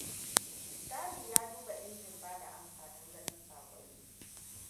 Chalie ya duba injin ba da amsa don ganin sakonni.